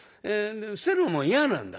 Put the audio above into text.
捨てるのも嫌なんだ。